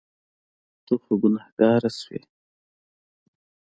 ته خو ګناهګار شوې.